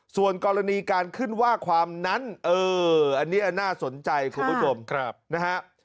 ส่วนกรณีการขึ้นว่าความนั้นเอออันนี้น่าสนใจคุณผู้ชมนะฮะ